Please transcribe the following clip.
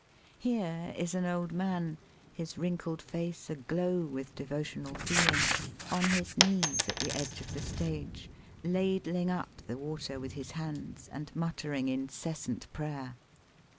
Here is an old man, his wrinkled face aglow with devotional feeling, on his knees at the edge of the stage, ladling up the water with his hands and muttering incessant prayer.